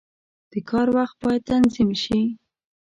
• د کار وخت باید تنظیم شي.